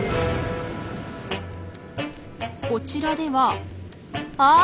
こちらではあっ！